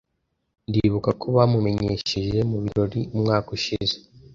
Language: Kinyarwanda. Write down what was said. Ndibuka ko bamumenyesheje mu birori umwaka ushize.